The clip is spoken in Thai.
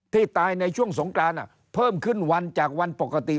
ตายในช่วงสงกรานเพิ่มขึ้นวันจากวันปกติ